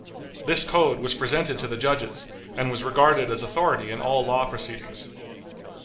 This code was presented to the judges, and was regarded as authority in all law proceedings.